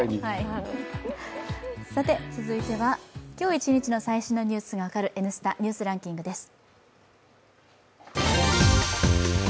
続いては今日一日の最新のニュースが分かる「Ｎスタ・ニュースランキング」です。